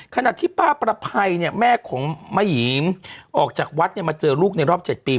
ขณะที่ป้าประภัยเนี่ยแม่ของมะหยีมออกจากวัดเนี่ยมาเจอลูกในรอบ๗ปี